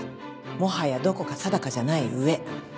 もはやどこか定かじゃない上。